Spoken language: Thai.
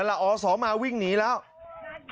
นั่นล่ะอสมาวิ่งหนีกันนะ